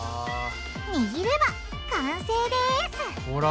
にぎれば完成ですほら